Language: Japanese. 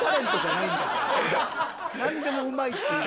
何でもうまいって言う。